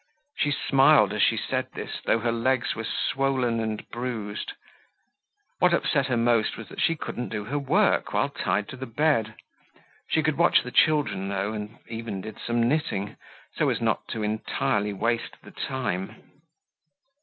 She smiled as she said this though her legs were swollen and bruised. What upset her the most was that she couldn't do her work while tied to the bed. She could watch the children though, and even did some knitting, so as not to entirely waste the time.